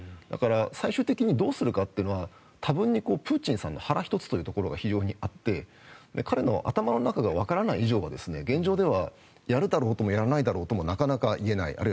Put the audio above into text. だから、最終的にどうするかは多分にプーチンさんの腹一つというところがあって彼の頭の中がわからない以上は現状ではやるだろうともやらないだろうともなかなか言えない。